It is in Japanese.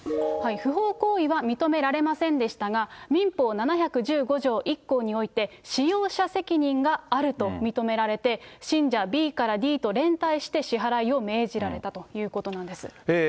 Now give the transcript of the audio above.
不法行為は認められませんでしたが、民法７１５条１項において、使用者責任があると認められて、信者ＢからＤと連帯して支払いを命じられたということなんです。